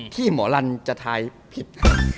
ที่หมอลันจะทายผิด